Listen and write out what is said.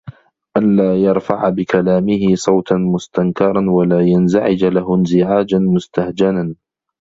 أَنْ لَا يَرْفَعَ بِكَلَامِهِ صَوْتًا مُسْتَنْكَرًا وَلَا يَنْزَعِجَ لَهُ انْزِعَاجًا مُسْتَهْجَنًا